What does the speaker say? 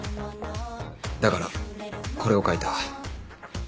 だからこれを書いた。